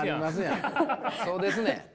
そうですねん。